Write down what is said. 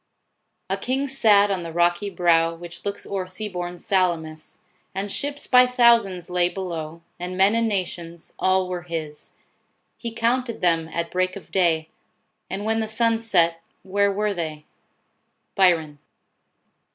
" A king sat on the rocky brow Which looks o'er sea born Salamis : And ships, by thousands, lay below, And men in nations : all were his. He counted them at break of day And when the sun set, where were they ?" BYRON.